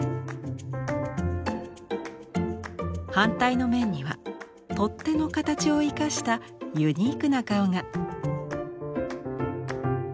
反対の面には取っ手の形を生かしたユニークな顔が。